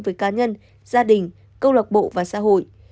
với cá nhân gia đình câu lạc bộ và xã hội